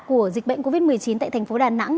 của dịch bệnh covid một mươi chín tại thành phố đà nẵng